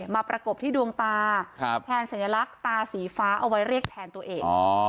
ประกบที่ดวงตาแทนสัญลักษณ์ตาสีฟ้าเอาไว้เรียกแทนตัวเอง